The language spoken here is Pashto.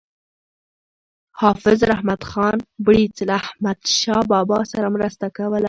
حافظ رحمت خان بړیڅ له احمدشاه بابا سره مرسته کوله.